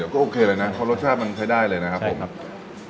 ก็โอเคเลยนะเพราะรสชาติมันใช้ได้เลยนะครับผมครับ